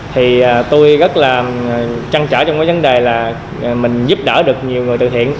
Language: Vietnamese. thì tôi rất là trăn trở trong vấn đề là mình giúp đỡ được nhiều người từ thiện